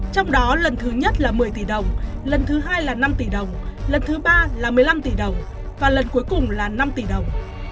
trong đó lần thứ nhất là một mươi tỷ đồng lần thứ hai là năm tỷ đồng lần thứ ba là một mươi năm tỷ đồng và lần cuối cùng là năm tỷ đồng